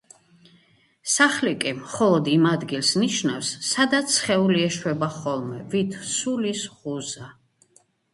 სახლი კი მხოლოდ იმ ადგილს ნიშნავს, სადაც სხეული ეშვება ხოლმე, ვით სულის ღუზა.